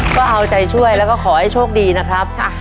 ก็เอาใจช่วยแล้วก็ขอให้โชคดีนะครับ